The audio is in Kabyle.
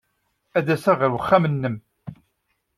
Ad d-aseɣ ɣer wexxam-nnem.